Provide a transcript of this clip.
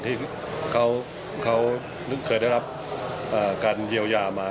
ที่เขาเคยได้รับการเยียวยามา